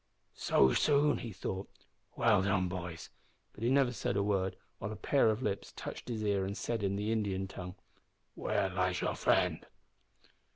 "So soon!" he thought. "Well done, boys!" But he said never a word, while a pair of lips touched his ear and said, in the Indian tongue "Where lies your friend?"